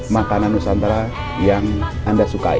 makanan nusantara yang anda sukai